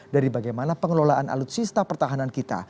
dari bagaimana pengelolaan alutsista pertahanan kita